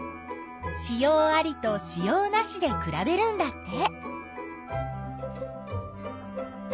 子葉ありと子葉なしでくらべるんだって。